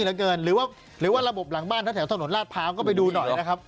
หลายที่เหลือเกินหรือว่าระบบหลังบ้านถ้าแถวถนนราชพร้าวก็ไปดูหน่อยนะครับ